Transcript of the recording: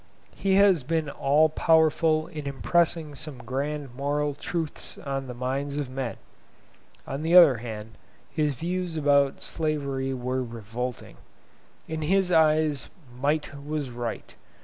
He has been all powerful in impressing some grand moral truths on the minds of men. On the other hand, his views about slavery were revolting. In his eyes might was right.